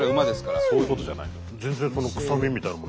そういうことじゃない。